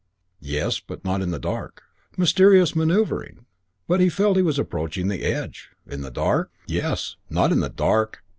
"Yes, but not in the dark." Mysterious manoeuvring! But he felt he was approaching the edge. "In the dark?" "Yes, not in the dark.